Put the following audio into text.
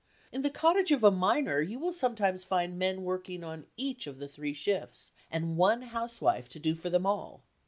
In the cottage of a miner you will sometimes find men working on each of the three shifts, and one housewife to do for them all.